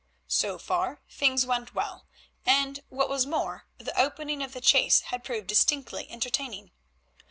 So far, things went well, and, what was more, the opening of the chase had proved distinctly entertaining.